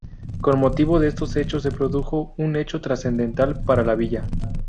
Con motivo de estos hechos se produjo un hecho trascendental para la villa.